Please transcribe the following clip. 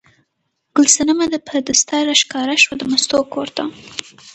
ګل صنمه په دستار راښکاره شوه د مستو کور ته.